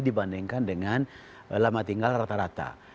dibandingkan dengan lama tinggal rata rata